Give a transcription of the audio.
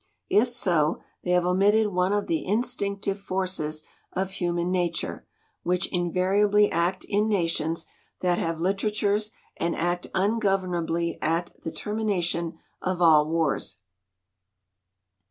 If so, they have omitted one of the instinctive forces of human nature, which invariably act in nations that have 93 LITERATURE IN THE MAKING literatures and act ungovernably at the termina tion of all wars.